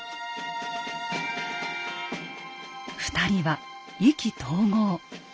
２人は意気投合。